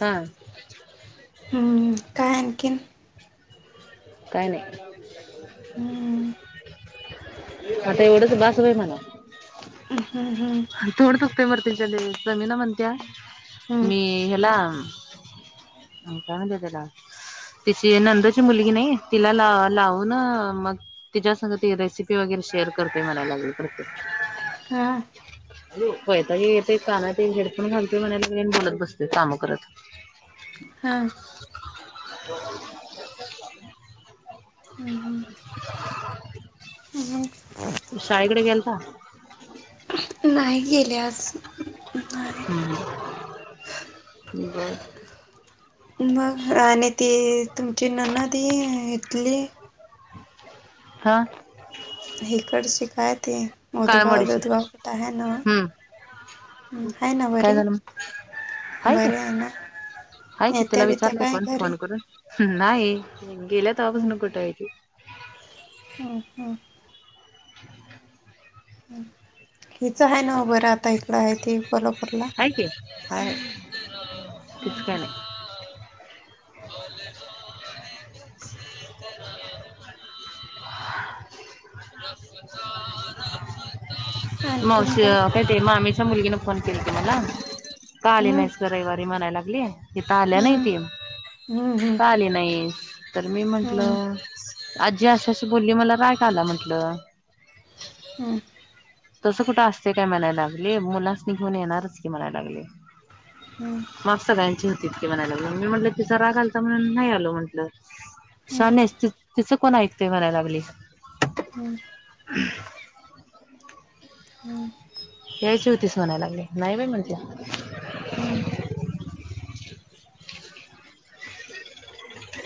हा! हम्म काय आणखीन? का नाही. हम्म आता एवढंच बास बाई म्हणाव. ह हम्म! हम्म थोड चुकतंय मरतया त्याले, समीना म्हणतिया हम्म मी ह्याला त्याला तिची नंदाची मुलगी नाही तिला ला लावून मग तिच्या सग ती रेसिपी वगैरे शेअर करतेय मला लागली प्रत्येक. हा! होय येतय कानात हे हेडफोन घालतोय म्हणय लागलाय आणि बोलत बसते काम करत. हां! [inaudible] हम् हम्म! [unintelligible] मग शाळेकडे गेलता? नाही गेले आज. नाही हम्म बर मग आणि ते तुमची ननं ते हीतली हा! हिकडची काय ती ते मोदगाव काळमडीची बिदगाव कुट हाय नव? हम्म हम्म हाय ना बरी? काय झालं मग हाय कि बरी आहे ना हाय की तिला येत्या बित्या विचारलं काय कोण घरी फोन करून. नाही गेलिया तवापासून कुठाय! ह हम्म! हिच आहे नव बरं आता हिकडं हाय ती कोल्हापूरला? हाय की. हाय हाय तिचं काय नाय. मावशी काय ते मामीच्या मुलगीने फोन केला ते मला. का आली हम्म नाहीस ग रविवारी म्हणाय लागली हिथ आल्या नाही हम्म ती. हम्म हम्म का आली नाहीस तर मी हम्म म्हंटलं आजी अशी आशी बोलली मला राग आला म्हंटलं. हम्म! तसं कुठं असत काय म्हणाय लागली मुलासनी घेऊन येणारच की म्हणाय लागली. हम्म! मग सगळ्यांची होती तकी म्हणायलागली मी म्हटलं तिचा राग आालता म्हणून नाही आलो म्हटलं हम्म शानियस तिचं कोण ऐकतय म्हणायला लागली हम्म हम् हम् यायची होतीस म्हणायला लागली नाही बाई म्हणल हम्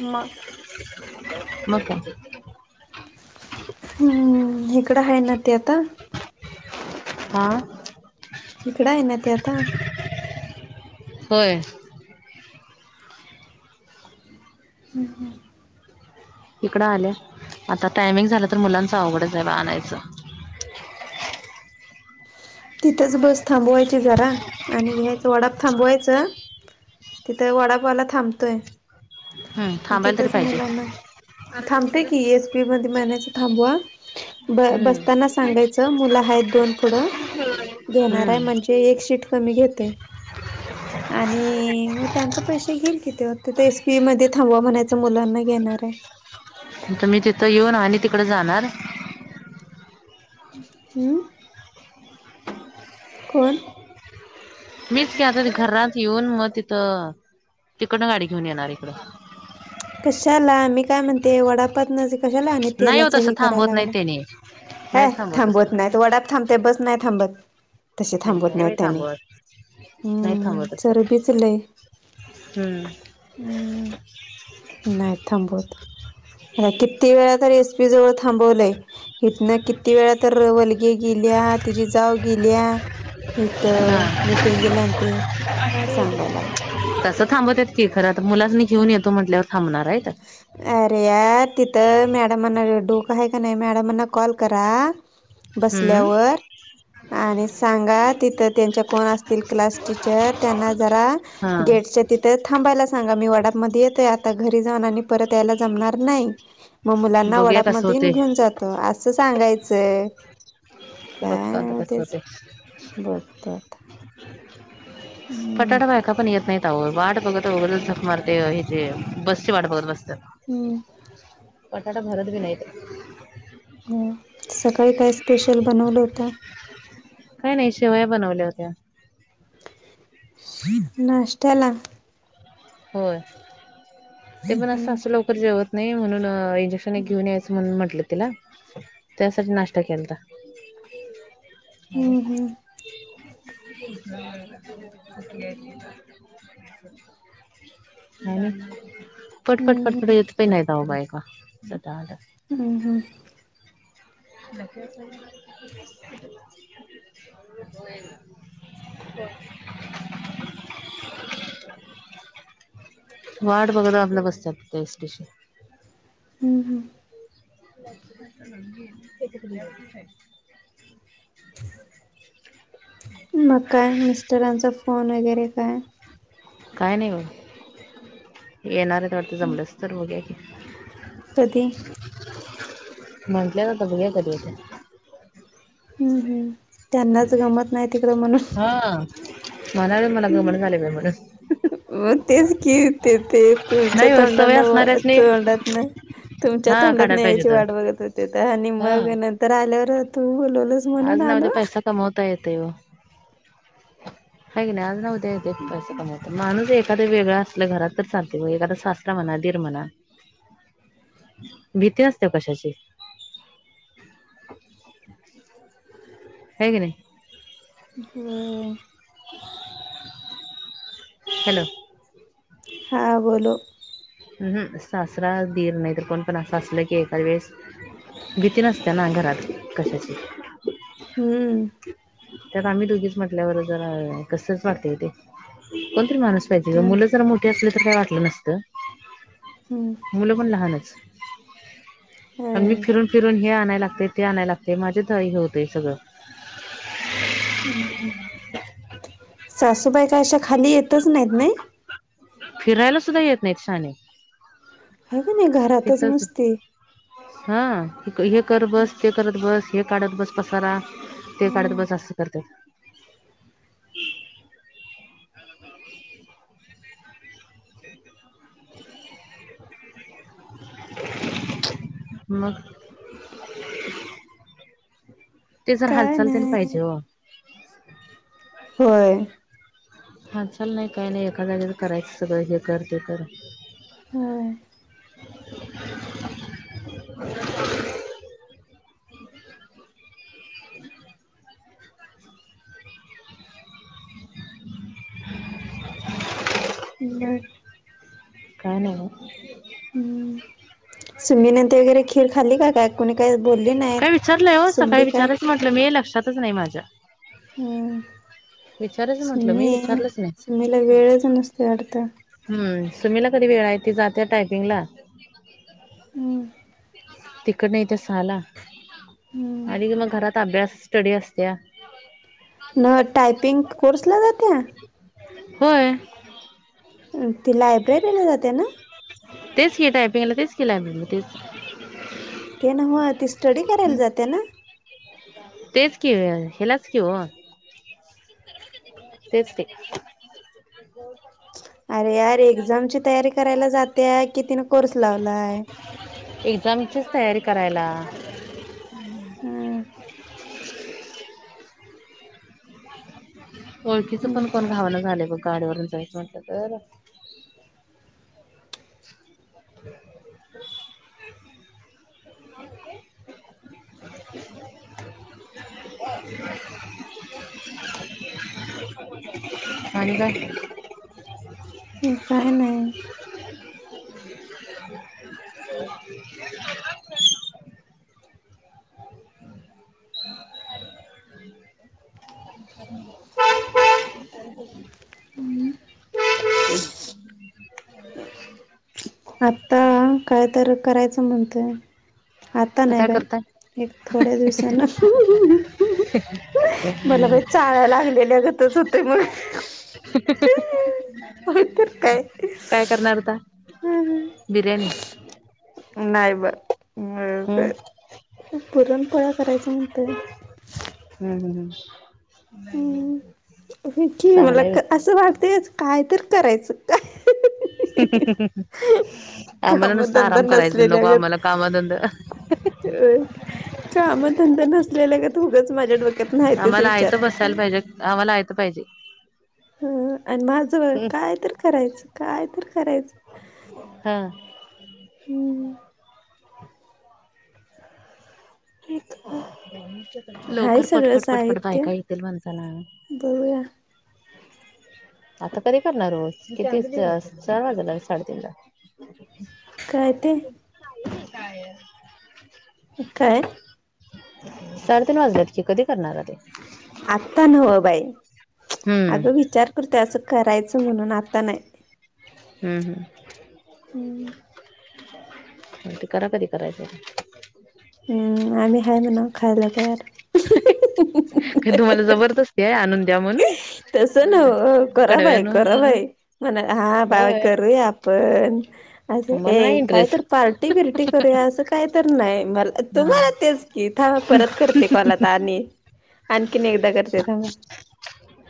मग मगं काय हम्म इकडं आहे ना ती आता आा हिकडं आहे ना ती आता होय ह ह इकडं आल्या आता टायमिंग झालं तर मुलांच अवघडच आहे बघ आणायचं तिथंच बस थांबवायची जरा आणि घ्यायच वडाप थांबवायचां तिथं वडापवाला थांबतोय हम्म थांबायला तरी तिथंच पाहिजे मुलांना थांबतेय की एसपी मध्ये म्हनायचं थांबवा ब हम्म बसताना सांगायचं दोन पु घे म्ह म्हण हम्म एक शीट कमी घेते आणि मग त्यांच पैसे घेईल कि ते एसपी मध्ये थांबवा म्हणायचं मुलांना घेणार आहे मी तिथं येऊन आणि तिकडे जाणार हम्म फोन मीच की आता घरात येऊन मग तिथं तिकडनं गाडी घेऊन येणार इकड कशाला मी काय म्हणते वडापातन कशाला आणि तेलाच हे करायला लागला ने ह थांबत नाहीत वडाप थांबते बस नाही थांबत तसे थांबत नाही त्याने नाही हम्म थांबवत असं चर भिचलय हम्म हम् नाही थांबवत आता किती वेळा तर एसपी जवळ थांबवलंय इथन किती वेळा तर वलगे गेल्या तिची जाऊ गेल्या इथं हा मिीटिंग गेल्या आणि ते सांगायला तसं थांबतेत की खरं तर मुलाच नाही घेऊन येतो म्हटल्यावर थांबणार आहे अरे या तिथं मॅडमांनाडूक आहे का नाही मॅडमना कॉल क बस हम्म वर आणि सांगा तिथं त्यांच्या कोण असतील क्लास टीचर त्यांना जरा हा गेटच्या तिथे थांबायला सांगा मी वडामध्येध्ये येतोय आता घरी जाऊन आणि यायला जम नाही मग मुलांना बघूया वडाप म कसं होते घेऊन जात त असं सांगायचंय काय बघतो आता कसं नव्हतेच होते बघतात पटाटा बाय का पनी यर नाही वाट बघत उ सफ मारतेवजे बस्ची वाड बघत बसत हम्म, पटाटा भरत बी नाहीत हो सकाळी काय स्पेशल बनवलं होत काय नाही शेवया बनवल्या होत्या नष्टला हो ते पण असं हम्म, असं लवकर जेवत नाही म्हणून इंजेक्शन घेऊन याचं अस म्हण म्हटलं तिला त्यासाठी नाश्ता केलता हम, हम्म! [inaudible] पट हम्म, हम्म, पटपट यथ पहि नाहीय अओ बाय का, हम्, हम्. [inaudible] [inaudible] वाट बघत आपल्या बसतात इशटी हम्म हम्. [inaudible] मग काय मिस्टरांचा फोन वगैरे काय? काय नाही बघ, येणारे वाटत ते जमलंस तर बघ की कधी? म्हंटल्यात आता बघुया कधीे येत्यात. हम्म हम, त्यांनाच गमत नाही तिकड म्हणून हा म्हणाले मला गमण झाले बाई म्हणून. मग तेच घि ते ते तुमच्या नाही हो, सवय तोंडाने असणाऱ्यासनी तोंडातन तुमच्या हा तोंडात काढायला पाहिजे यायची होतं. वाट बघत होते, तर आणि हा मग नंतर आल्यावर तू बोलवलंस म्हणून आज ना उद्या आलो पैसा कमवतायेतय ओ हेक नाही आज न ते ते पैसे कमवतात माणूस एखादे वेगळं असलं घरात तर चालते व एखादा सासरा म्हणा, दीर म्हणा. भीती असते कशाची हे क नाही. होय. [inaudible] हॅलो! हां बोलो. हमम सासरा दिर नाही तर कोण पण असं असलं की एखाद वेळेस भीती नसत्या ना घरात कशाची. हम्म! त्यात आम्ही दोघीच म्हटल्यावर जर कसच वाटते ते कोणतरी माणूस हम्म मुलं जरा मोठी असली तर काही वाटलं नसत. हम्म! मुलं पण लहानच, अन मी होय फिरून‌ फिरून हे आणाय लागते ते आणाय लागते माझे धा हे होते सगळं [inaudible] सासूबाई का अशा खाली येतच नाहीत नाही. फिरायला सुद्धा येत नाहीत शहाण्याने. ह का नाही घरातच नुसती. हा हे कर बस, ते करत बस, हे काढत बस पसारा ते काढत हम्म बस अस करतेय. मग [inaudible] ते जर काय हालचालते नाही पाहिजे हो. होय. हालचाल नाही काही नाही एका जागीच करायचं सगळं हे कर ते कर. होय. मग. काय नाहि ओ. हमं! सुमीनंतर वगैरे खीर खाल्ली का काय कोणी काही बोलली काय नाहीत. विचारलंय हो सकाळी सुमडी काय विचारायचं म्हटलं मी लक्षातच नाही माझ्या. हम्म. विचारायचं म्हटलं मी सु्मी विचारलंच नाही सुमीला वेळच नसतेय वाटतो. हम्म. सुमीला कधी वेळय. ती जाते टायपिंग ला. हम्म तिकडं न येतीय सहाला. हम्म आली की मग घरात अभ्यास. स्टडी असतेया. न टायपिंग कोर्सला जातेया. होय. ती लायब्ररीला जाते ना. तेच की टायपिंगला तेच की लायब्ररी ला तेच. ते नव्ह. ती स्टडी करायला हं. जाते ना. तेच की, ह्यालाच की ओ. तेच ते. [unintelligible] अरे यारे एक्झामची तयारी करायला जातेया. की तिने कोर्स लावलाय. एक्झामचीच तयारी करायला. हम्म. ओळखीच पण कोण हम्म घावणं झालं बघ. गाडीवरून जायचं म्हटलं तर. आणि काय? काय नाय. [inaudible] आत्ता काय तर करायचं म्हणतय, आत्ता तर नाही काय बाय. करताय एक थोड्या दिवसान. मला बाई चाळ्या लागलेल्या गतच होतय मग. [inaudible] होय तर काय. काय करणार आता. बिर्याणी. नाही बा. हम्म [unintelligible] पुरणपोळ्या करायच म्हणतेय. हम्म, हम्म, हम्म. चांगलंय व्हय. वागतेच. काय तर करायचं. काय? आम्हाला नुसता कामधंदा आराम करायच, नसलेल्या नको आम्हाला काम धंद. काम धंदा नसलेल्या गत उगाच माझ्या डोक्यात नाहीतोच आम्हाला विचार. आयतं बसायला पाहिजे आम्हाला आयत पाहिजे. ह. अन माझं हं. काय तर करायचं, काय तर करायचं. हा हम्म. [inaudible] हाय लवकर सगळं पटपट पटपट साहित्य बायका येतील माणसाला. [inaudible] आता कधी करणार ओ, किती चार वाजला साडेतीन ला. काय ते. काय य [unintelligible] [inaudible] काय? साडेतीन वाजल्यात की, कधी करणारे आ ते. आता नवं बाई, हम्म अगं विचार करते असं करायचं म्हणून. आता नाय. हम्म हम्म. हम्म. मग ते करा कधी करायचंय. हम्म, आम्ही हाय म्हणाव खायला तयार. काय तुम्हाला जबरदस्तीये, आणून द्या म्हणून. तस नव्ह, करा बाई कडव्यान करा बाई. म्हणा हा बाई होय करूया आपण. असं मला नाही ए काय तर इंटरेस्ट पार्टी बिरटी करूया. असं काय तर नाय मला, हा तुम्हाला तेच. कि थांबा परत करते कॉल आता आणि आणखीन एकदा करते थांबा.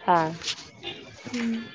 हा [inaudible]